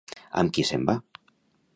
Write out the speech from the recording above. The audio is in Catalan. Amb qui se'n va?